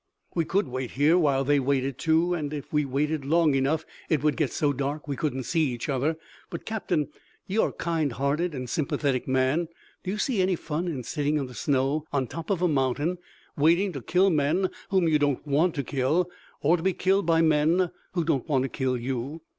"We could wait here while they waited too, and if we waited long enough it would get so dark we couldn't see each other. But captain, you are a kind hearted and sympathetic man, do you see any fun in sitting in the snow on top of a mountain, waiting to kill men whom you don't want to kill or to be killed by men who don't want to kill you?"